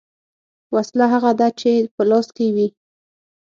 ـ وسله هغه ده چې په لاس کې وي .